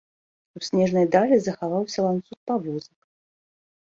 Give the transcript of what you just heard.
У снежнай далі захаваўся ланцуг павозак.